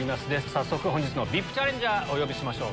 早速本日のＶＩＰチャレンジャーお呼びしましょう。